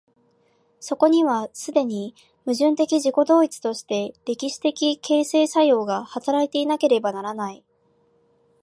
そこには既に矛盾的自己同一として歴史的形成作用が働いていなければならない。